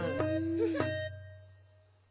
フフッ。